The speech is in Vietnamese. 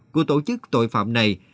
của tổ chức tội phạm này